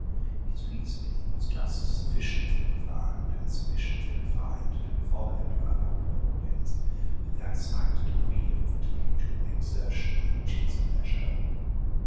His reasoning was just sufficiently profound and sufficiently refined to be followed by a popular audience with that slight degree of intellectual exertion which is a pleasure.